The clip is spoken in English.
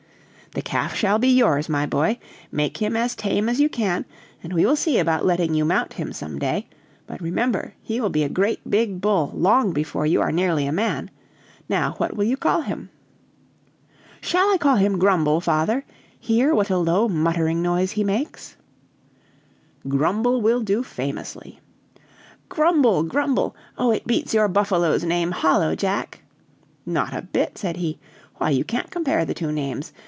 "The calf shall be yours, my boy. Make him as tame as you can, and we will see about letting you mount him some day; but remember, he will be a great bull long before you are nearly a man. Now, what will you call him?" "Shall I call him Grumble, father? Hear what a low muttering noise he makes!" "Grumble will do famously." "Grumble, Grumble. Oh, it beats your buffalo's name hollow, Jack!" "Not a bit," said he; "why, you can't compare the two names.